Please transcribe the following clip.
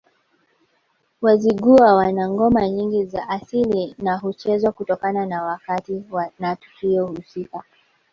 Wazigua wana ngoma nyingi za asili na huchezwa kutokana na wakati na tukio husika